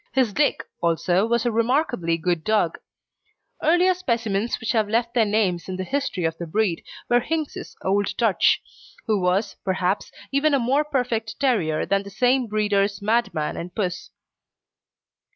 His Dick, also, was a remarkably good dog. Earlier specimens which have left their names in the history of the breed were Hinks's Old Dutch, who was, perhaps, even a more perfect terrier than the same breeder's Madman and Puss.